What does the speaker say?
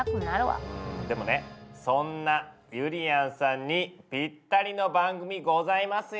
でもねそんなゆりやんさんにぴったりの番組ございますよ。